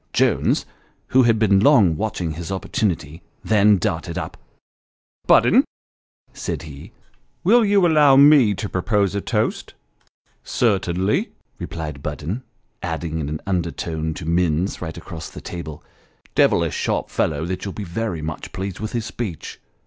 Jones, who had been long watching his opportunity, then darted up. " Budden," said he, " will you allovr me to propose a toast ?" "Certainly," replied Budden, adding in an undertone to Minus right across the table. " Devilish sharp fellow that : you'll be very much pleased with his speech.